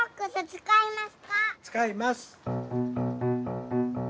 つかいます！